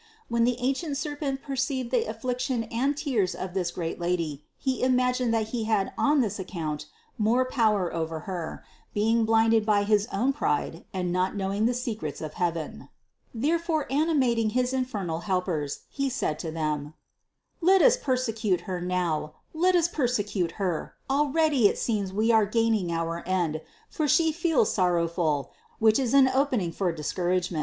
When the ancient serpent perceived the affliction and tears of the great Lady, he imagined that he had on this account more power over Her, being blinded by his own pride and not knowing the secrets of heaven. Therefore, animating his infernal helpers, he said to them : "Let us persecute Her now, let us persecute Her; already it seems we are gaining our end, for She feels sorrowful, which is an opening for discouragement."